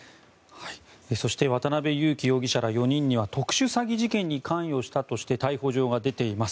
そして渡邉優樹容疑者ら４人には特殊詐欺事件に関与したとして逮捕状が出ています。